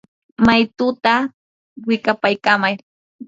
maytutaa wikapaykamay.